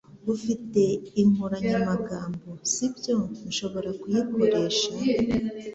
Ufite inkoranyamagambo, sibyo? Nshobora kuyikoresha?